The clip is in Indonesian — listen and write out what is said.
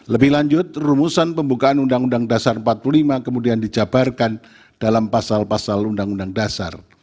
lebih lanjut rumusan pembukaan undang undang dasar empat puluh lima kemudian dijabarkan dalam pasal pasal undang undang dasar